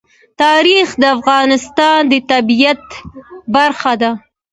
تاریخ د افغانستان د طبیعت برخه ده.